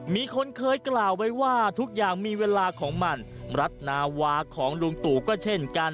มีคนเคยกล่าวไว้ว่าทุกอย่างมีเวลาของมันรัฐนาวาของลุงตู่ก็เช่นกัน